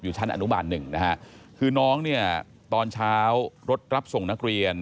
ชั้นอนุบาลหนึ่งนะฮะคือน้องเนี่ยตอนเช้ารถรับส่งนักเรียน